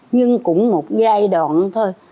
nhưng cũng một giai đoạn thôi